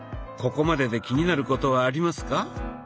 ここまでで気になることはありますか？